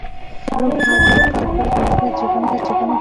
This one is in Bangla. পরিচালক বারবার বলছেন, এভাবে জীবনের ঝুঁকি নিয়ে কাজ করা সম্ভব না।